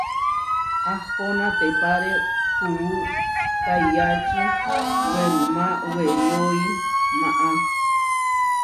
Ahpó natepáre kuú kayáči werumá weriói maá.